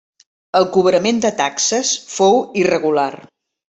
El cobrament de taxes fou irregular.